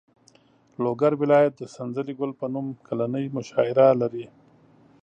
لوګر ولایت د سنځلې ګل په نوم کلنۍ مشاعره لري.